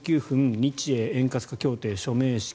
日英円滑化協定署名式。